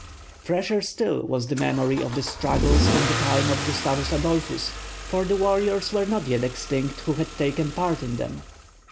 Fresher still was the memory of the struggles in the time of Gustavus Adolphus, for the warriors were not yet extinct who had taken part in them.